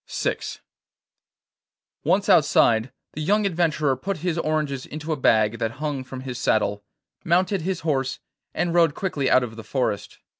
VI Once outside, the young adventurer put his oranges into a bag that hung from his saddle, mounted his horse, and rode quickly out of the forest.